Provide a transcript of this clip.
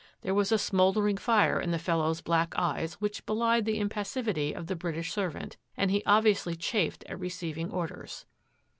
There was a smoulde: fire in the fellow's black eyes which belied the passivity of the British servant, and he obvio chafed at receiving orders.